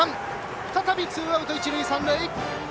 再びツーアウト、一塁三塁。